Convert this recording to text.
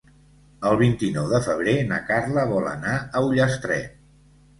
El vint-i-nou de febrer na Carla vol anar a Ullastret.